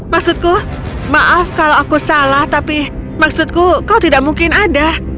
maksudku maaf kalau aku salah tapi maksudku kau tidak mungkin ada